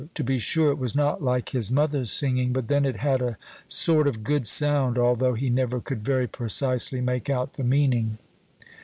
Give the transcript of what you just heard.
To be sure it was not like his mother's singing; but then it had a sort of good sound, although he never could very precisely make out the meaning.